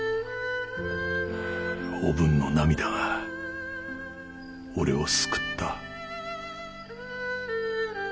おぶんの涙が俺を救った。